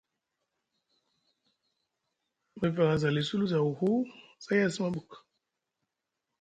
Mefeŋ a zali culu zaw hu, say a suma ɓuk.